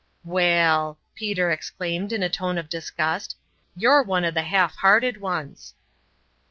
"Waal!" Peter exclaimed in a tone of disgust, "you're one of the half hearted ones."